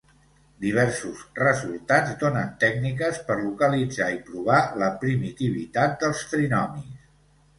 Diversos resultats donen tècniques per localitzar i provar la primitivitat dels trinomis.